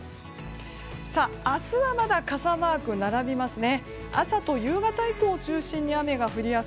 明日はまだ傘マークが並びます。